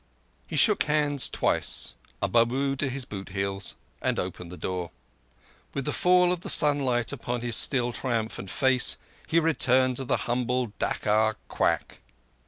He shook hands twice—a Babu to his boot heels—and opened the door. With the fall of the sunlight upon his still triumphant face he returned to the humble Dacca quack.